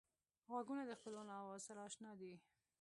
غوږونه د خپلوانو آواز سره اشنا دي